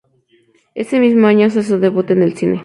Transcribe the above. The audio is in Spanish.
Ese mismo año hace su debut en el cine.